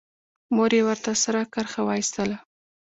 مور يې ورته سره کرښه وايستله.